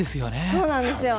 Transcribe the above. そうなんですよ